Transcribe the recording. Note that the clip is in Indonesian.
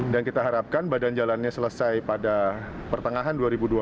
dan kita harapkan badan jalannya selesai pada pertengahan dua ribu dua puluh